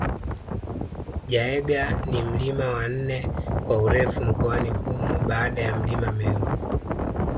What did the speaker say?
Jaeger ni mlima wa nne kwa urefu mkoani humo baada ya milima Meru